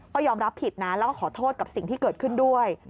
ก็ยอมรับผิดนะแล้วก็ขอโทษกับสิ่งที่เกิดขึ้นด้วย